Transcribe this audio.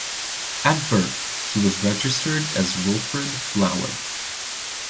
At birth, he was registered as Wilfred Flower.